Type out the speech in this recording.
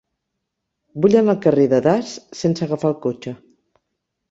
Vull anar al carrer de Das sense agafar el cotxe.